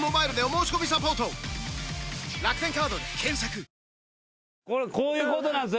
本麒麟こういうことなんです